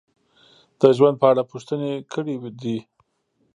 د ژوند په اړه پوښتنې کړې دي: